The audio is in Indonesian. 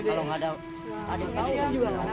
bu lihat penta enggak